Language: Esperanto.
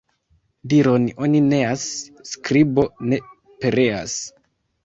Diron oni neas, skribo ne pereas.